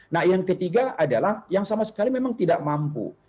nah yang ketiga adalah yang sama sekali memang tidak mampu